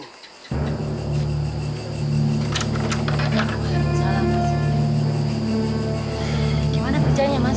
gimana kerjanya mas